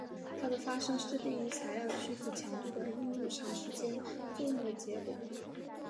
它的发生是低于材料屈服强度的应力长时间作用的结果。